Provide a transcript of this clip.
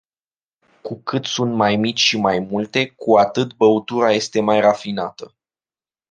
Cu cât sunt mai mici și mai multe, cu atât băutura este mai rafinată.